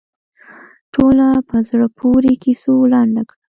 ټوله په زړه پورې کیسو لنډه کړه.